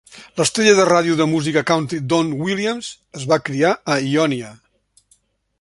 L'estrella de ràdio de música country Don Williams es va criar a Ionia.